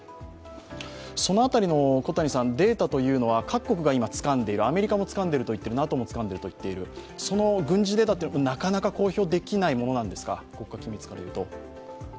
そのあたりのデータというのは各国が今、つかんでいる、アメリカもつかんでいるといっている、ＮＡＴＯもつかんでいるといっている、軍事データというのはなかなか公表できないことなんですか、国家機密からいうと。